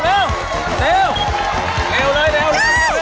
เร็วเลยเร็ว